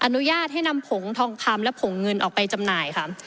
อนุญาตให้นำผงทองคำและผงเงินออกไปจำหน่ายค่ะ